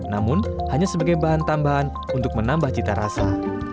namun hanya sebagai bahan tambahan untuk menambah cita rasa